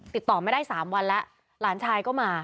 ติดต่อไม่ได้๓วันแล้วหลานชายก็มา